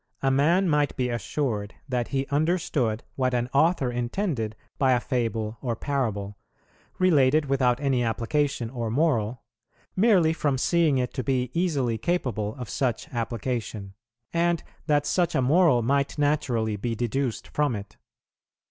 "A man might be assured that he understood what an author intended by a fable or parable, related without any application or moral, merely from seeing it to be easily capable of such application, and that such a moral might naturally be deduced from it.